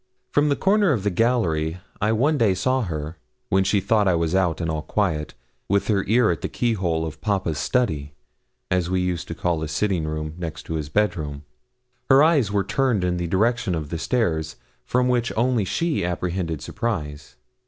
From the corner of the gallery I one day saw her, when she thought I was out and all quiet, with her ear at the keyhole of papa's study, as we used to call the sitting room next his bed room. Her eyes were turned in the direction of the stairs, from which only she apprehended surprise.